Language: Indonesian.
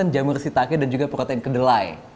jamur sitake dan juga protein kedelai